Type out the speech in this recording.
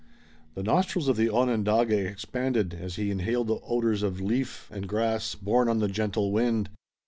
The nostrils of the Onondaga expanded, as he inhaled the odors of leaf and grass, borne on the gentle wind.